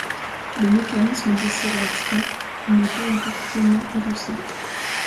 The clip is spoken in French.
Le mécanisme de ces réactions n'est pas encore pleinement élucidé.